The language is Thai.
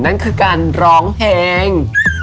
นั่นคือการร้องเพลง